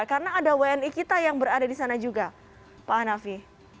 karena ada wni kita yang berada di sana juga pak hanafi